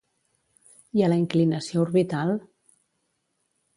I a la inclinació orbital?